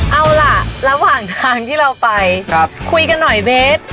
เอาล่ะระหว่างทางที่เราไปคุยกันหน่อยเบส